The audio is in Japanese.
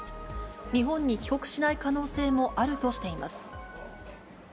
日本に帰国しない可能性もあるとしています。